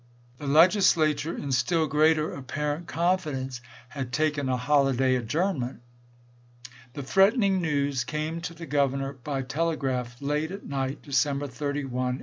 The Legislature, in still greater apparent confidence, had taken a holi day adjournment. The threatening news came to the Governor by telegraph late at night December 31, 1860.